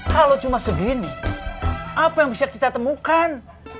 kalau cuma segini apa yang bisa kita temukan